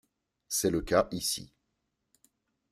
C’est le cas ici.